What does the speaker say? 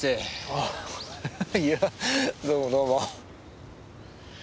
あっいやどうもどうも。